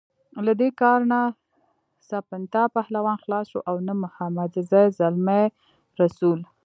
له دې کار نه سپنتا پهلوان خلاص شو او نه محمدزی زلمی رسول.